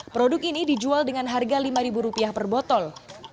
produk ini dijual dengan harga lima rupiah per botol